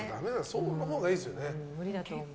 そのほうがいいですよね。